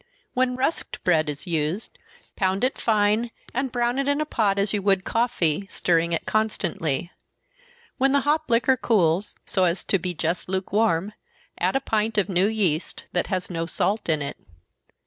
When rusked bread is used, pound it fine, and brown it in a pot, as you would coffee, stirring it constantly. When the hop liquor cools, so as to be just lukewarm, add a pint of new yeast, that has no salt in it.